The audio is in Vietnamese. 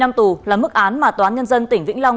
một mươi năm tù là mức án mà toán nhân dân tỉnh vĩnh long